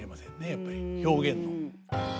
やっぱり表現の。